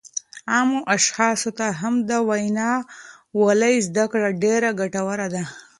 عامو اشخاصو ته هم د وینا والۍ زده کړه ډېره ګټوره ده